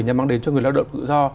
nhằm mang đến cho người lao động cự do